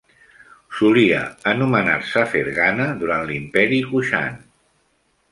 Solia anomenar-se 'ferghana', durant l'imperi Kushan.